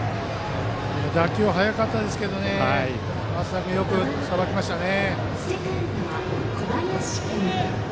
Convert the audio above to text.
打球は速かったですが松田君よくさばきましたね。